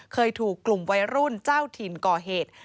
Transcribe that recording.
เคยถูกกลุ่มวัยรุ่นเจ้าถิ่นก่อเหตุ